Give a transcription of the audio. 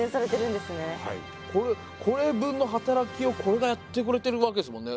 これ分の働きをこれがやってくれてるわけですもんね。